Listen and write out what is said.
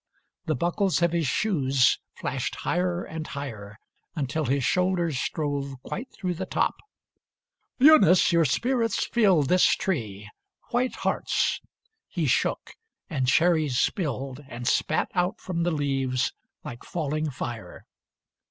The buckles of his shoes flashed higher and higher Until his shoulders strove Quite through the top. "Eunice, your spirit's filled This tree. White hearts!" He shook, and cherries spilled And spat out from the leaves like falling fire.